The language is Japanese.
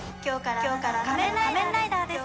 今日からあなたは仮面ライダーです。